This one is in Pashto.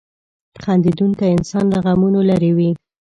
• خندېدونکی انسان له غمونو لرې وي.